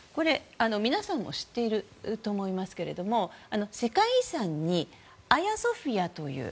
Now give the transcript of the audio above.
皆さんも知っていると思いますけれども世界遺産にアヤソフィアという。